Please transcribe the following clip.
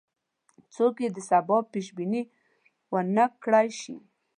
څوک یې د سبا پیش بیني ونه کړای شي.